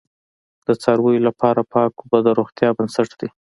د څارویو لپاره پاک اوبه د روغتیا بنسټ دی.